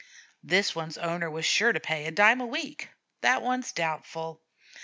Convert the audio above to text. This one's owner was sure pay, a dime a week; that one's doubtful.